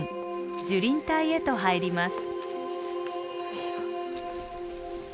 樹林帯へと入ります。